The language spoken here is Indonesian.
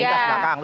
di tas belakang